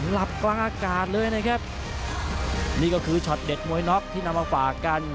หลับกลางอากาศเลยนะครับนี่ก็คือช็อตเด็ดมวยน็อกที่นำมาฝากกัน